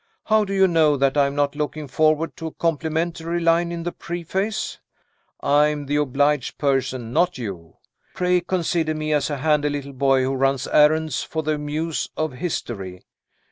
How do you know that I am not looking forward to a complimentary line in the preface? I am the obliged person, not you. Pray consider me as a handy little boy who runs on errands for the Muse of History.